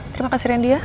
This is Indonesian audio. terima kasih randa